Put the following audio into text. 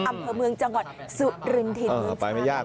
อำเภอเมืองจังหวัดสุรินทินไปไม่ยาก